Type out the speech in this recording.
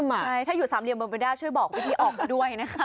ใช่ถ้าอยู่สามเหลี่ยมเบอร์มิวดากช่วยบอกวิธีออกด้วยนะคะ